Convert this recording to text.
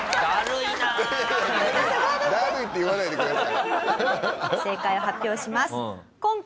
「だるい」って言わないでください。